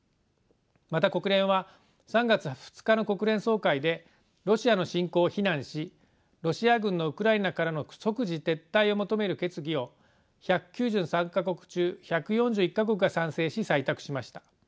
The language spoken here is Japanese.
また国連は３月２日の国連総会でロシアの侵攻を非難しロシア軍のウクライナからの即時撤退を求める決議を１９３か国中１４１か国が賛成し採択しました。